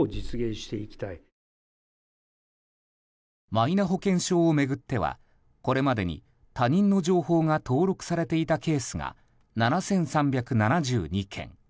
マイナ保険証を巡ってはこれまでに他人の情報が登録されていたケースが７３７２件。